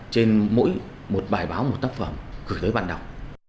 trên mỗi một bài báo một tác phẩm gửi tới bạn đọc